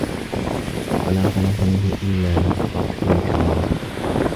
وَلَا خَلَاصَ مِنْهُ إلَّا بِالصَّفْحِ وَالْإِعْرَاضِ